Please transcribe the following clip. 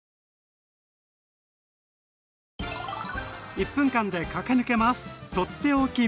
１分間で駆け抜けます！